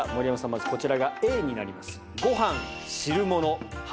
まずこちらがＡになります。